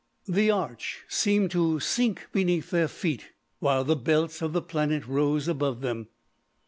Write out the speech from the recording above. The arch seemed to sink beneath their feet while the belts of the planet rose above them.